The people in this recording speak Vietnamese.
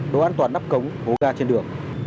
để an toàn nắp cống hố ga trên đường